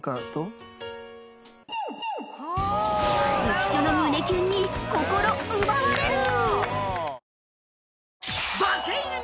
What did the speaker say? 浮所の胸キュンに心奪われる！